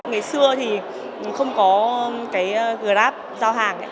ngày xưa thì không có cái graph giao hàng